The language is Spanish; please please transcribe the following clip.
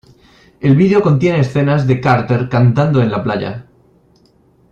El vídeo contiene escenas de Carter cantando en la playa.